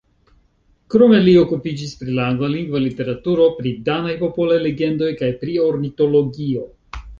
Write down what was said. Krome li okupiĝis pri la anglalingva literaturo, pri danaj popolaj legendoj kaj pri ornitologio.